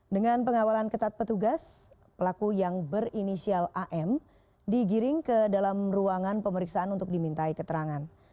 dengan pengawalan ketat petugas pelaku yang berinisial am digiring ke dalam ruangan pemeriksaan untuk dimintai keterangan